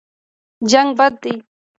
جنګ بد دی.